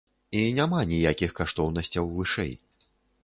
І няма ніякіх каштоўнасцяў вышэй.